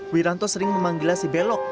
wiranto sering memanggil sibelok